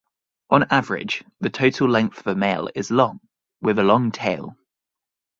On average, the total length of a male is long, with a long tail.